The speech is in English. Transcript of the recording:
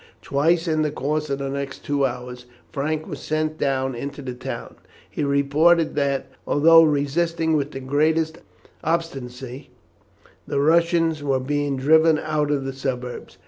Twice in the course of the next two hours Frank was sent down into the town. He reported that, although resisting with the greatest obstinacy, the Russians were being driven out of the suburbs.